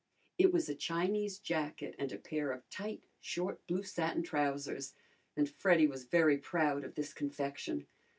It was a Chinese jacket and a pair of tight, short blue satin trousers, and Freddy was very proud of this confection.